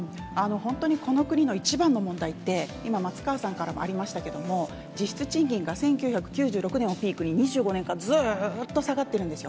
本当に、この国の一番の問題って、今松川さんからありましたけれども、実質賃金が１９９６年をピークに、２５年間ずっと下がっているんですよ。